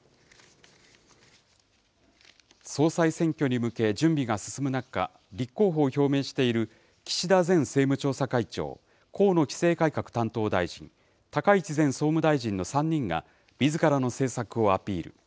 総裁選挙に向け、準備が進む中、立候補を表明している岸田前政務調査会長、河野規制改革担当大臣、高市前総務大臣の３人が、みずからの政策をアピール。